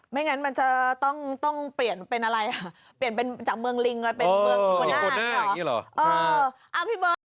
ไม่งั้นมันจะต้องเปลี่ยนเป็นอะไรอ่ะเปลี่ยนเป็นจากเมืองลิงเป็นเมืองปกติอ่อปกติอย่างงี้เหรอเออ